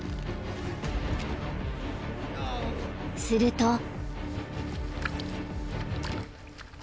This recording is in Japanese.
［すると］